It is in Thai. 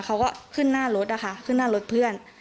เขาก็ขึ้นหน้ารถเพื่อน